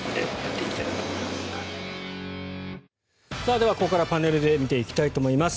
では、ここからパネルで見ていきたいと思います。